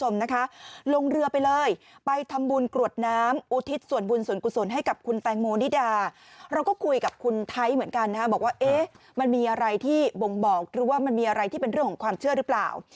มันมีอะไรที่บ่งบอกมีอะไรที่เป็นเรื่องความเชื่อรึเปล่า